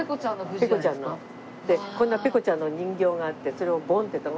ペコちゃんの。でこんなペコちゃんの人形があってそれをボンってたたく。